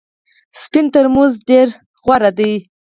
سپین ترموز ډېر غوره دی .